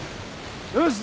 よし！